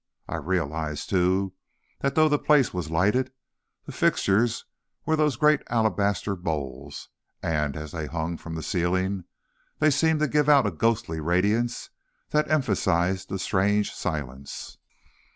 I realized, too, that though the place was lighted, the fixtures were those great alabaster bowls, and, as they hung from the ceiling, they seemed to give out a ghostly radiance that emphasized the strange silence.